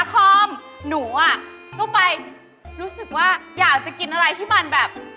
ต้องไปรู้สึกว่าอยากจะกินอะไรที่มันแบบ